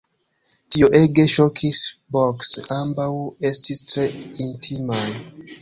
Tio ege ŝokis Borges: ambaŭ estis tre intimaj.